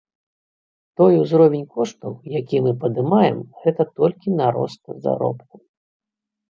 Той узровень коштаў, які мы падымаем, гэта толькі на рост заробку.